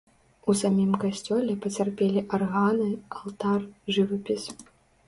У самім касцёле пацярпелі арганы, алтар, жывапіс.